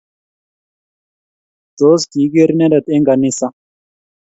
Tos kiigere inendet eng' ganisa?